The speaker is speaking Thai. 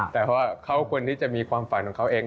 แต่ว่าเขาควรที่จะมีความฝันของเขาเอง